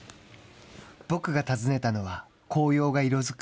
僕が訪ねたのは紅葉が色づく